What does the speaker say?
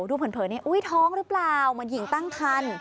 เผินนี่อุ๊ยท้องหรือเปล่าเหมือนหญิงตั้งคัน